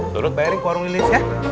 dodot bayarin ke warung bilis ya